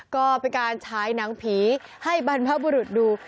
ก็เป็นการฉายหนังผีให้บรรพบุรุษดู